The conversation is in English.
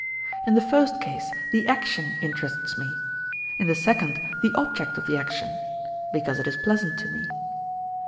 In the first case the action interests me; in the second the object of the action (because it is pleasant to me).